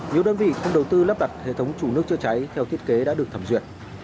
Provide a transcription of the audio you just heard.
nhiều đơn vị không đầu tư lắp đặt hệ thống chủ nước chữa cháy theo thiết kế đã được thẩm duyệt